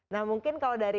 nah mungkin kalau dari